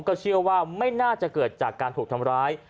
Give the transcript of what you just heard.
ก็เชื่อว่าไม่น่าจะเกิดจากการถูกทำร้าย